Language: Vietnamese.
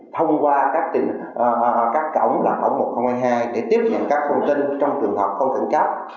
thông qua các cổng là cổng một trăm linh hai để tiếp nhận các thông tin trong trường hợp không cẩn cấp